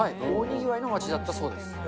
大にぎわいの町だったそうです。